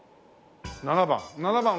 ７番。